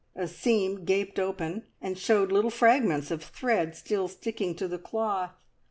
A seam gaped open and showed little fragments of thread still sticking to the cloth.